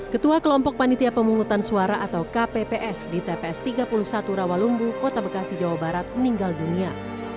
ketua kelompok panitia pemungutan suara atau kpps di tps tiga puluh satu rawalumbu kota bekasi jawa barat meninggal dunia